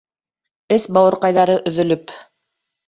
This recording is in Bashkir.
Эс-бауырҡайҙары өҙөлөп.